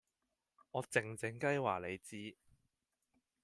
我靜靜雞話你知